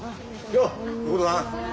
ようご苦労さん。